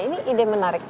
ini ide menarik